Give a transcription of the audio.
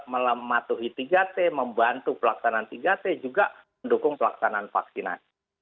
mematuhi tiga t membantu pelaksanaan tiga t juga mendukung pelaksanaan vaksinasi